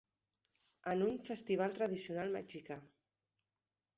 en un festival tradicional mexicà.